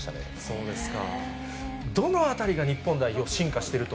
そうですか。